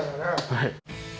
はい。